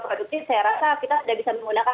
produksi saya rasa kita sudah bisa menggunakan